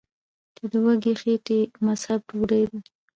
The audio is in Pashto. چې د وږې خېټې مذهب ډوډۍ ده ـ